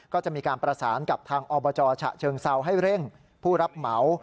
ก็จะมีการประสานกับทางอบจฉะเชิงเซาให้เร่งผู้รับเหมา